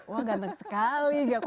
wah ganteng sekali